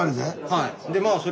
はい。